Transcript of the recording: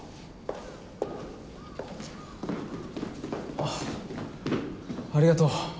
あありがとう。